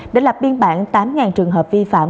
đã lập biên bản tám trường hợp vi phạm